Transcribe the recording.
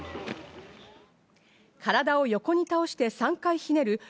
体を横に倒して３回ひねる